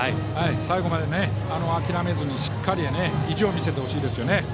最後まで諦めずにしっかり意地を見せてほしいですね。